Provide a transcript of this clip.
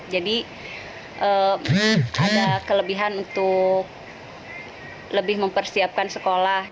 jadi ada kelebihan untuk lebih mempersiapkan sekolah